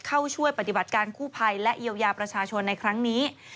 เข้าช่วยปฏิบัติการกู้ภัยและเยียวยาประชาชนในครั้งนี้